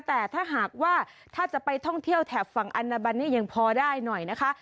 แต่ถ้าหากว่าถ้าจะไปท่องเที่ยวแถบฝั่งอันนาบันเนี่ยยังพอได้หน่อยนะคะ